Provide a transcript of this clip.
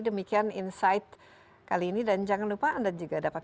demikian insight kali ini dan jangan lupa anda juga dapat